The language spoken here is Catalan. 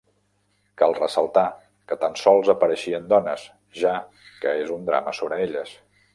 Cal ressaltar que tan sols apareixen dones, ja que és un drama sobre elles.